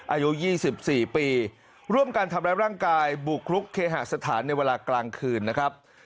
อายุ๒๔ปีร่วมกันทำร้ายร่างกายบุกรุกเคหสถานในเวลากลางคืนนะครับ